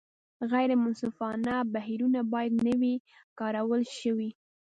غیر منصفانه بهیرونه باید نه وي کارول شوي.